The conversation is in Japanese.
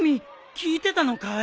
聞いてたのかい？